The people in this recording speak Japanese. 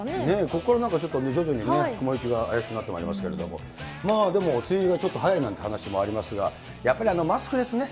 ここからなんか徐々に、雲行きが怪しくなってまいりますけど、でも、梅雨入りがちょっと早いなんていう話もありますが、やっぱりマスクですね。